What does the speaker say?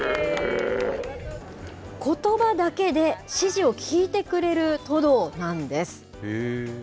ことばだけで指示を聞いてくれるトドなんです。